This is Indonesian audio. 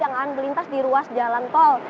yang akan melintas di ruas jalan tol